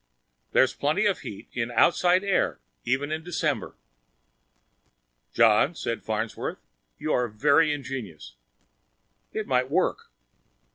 There's plenty of heat in the outside air even in December." "John," said Farnsworth, "you are very ingenious. It might work."